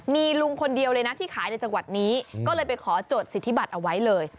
มีลุงคนเดียวเลยนะที่ขายในจังหวัดนี้ก็เลยไปขอจดสิทธิบัตรเอาไว้เลย